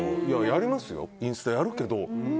やりますよ、インスタやるけど。